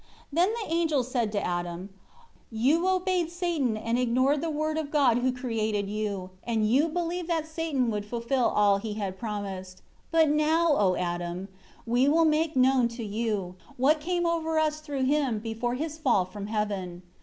7 Then the angels said to Adam, "You obeyed Satan, and ignored the Word of God who created you; and you believed that Satan would fulfil all he had promised you. 8 But now, O Adam, we will make known to you, what came over us though him, before his fall from heaven.